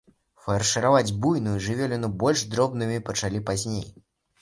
Фаршыраваць буйную жывёліну больш дробнымі пачалі пазней.